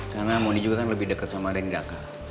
karena mondi juga kan lebih deket sama rendy dan akal